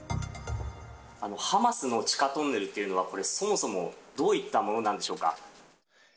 ハマスの地下トンネルというのは、これ、そもそもどういったものなんでしょうか。